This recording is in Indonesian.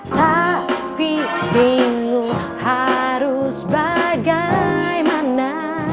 tapi bingung harus bagaimana